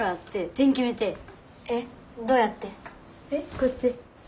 こうやって。